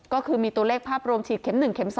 ก็คือมีตัวเลขภาพรวมฉีดเข็ม๑เม็